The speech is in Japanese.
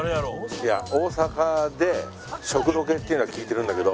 いや大阪で食ロケっていうのは聞いてるんだけど。